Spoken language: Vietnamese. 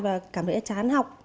và cảm thấy chán học